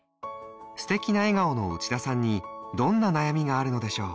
素敵な笑顔の内田さんにどんな悩みがあるのでしょう？